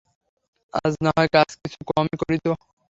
আজ নাহয় কাজ কিছু কমই করিত।